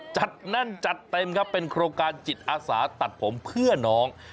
จัดแน่นจัดเต็มครับเป็นโครงการจิตอาสาตัดผมเพื่อน้อง